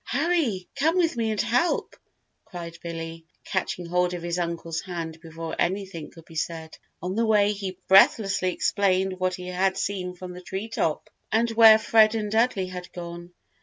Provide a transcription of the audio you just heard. "Hurry come with me and help!" cried Billy, catching hold of his uncle's hand before anything could be said. On the way he breathlessly explained what he had seen from the tree top, and where Fred and Dudley had gone.